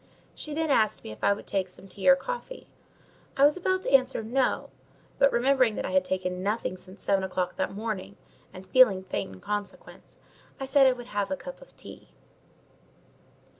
She then asked me if I would take some tea or coffee. I was about to answer No; but remembering that I had taken nothing since seven o'clock that morning, and feeling faint in consequence, I said I would take a cup of tea.